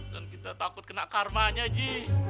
dan kita takut kena karmanya ji